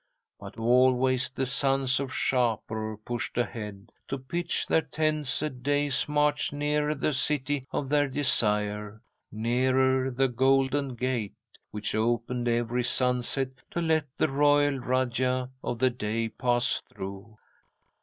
But always the sons of Shapur pushed ahead, to pitch their tents a day's march nearer the City of their Desire, nearer the Golden Gate, which opened every sunset to let the royal Rajah of the Day pass through.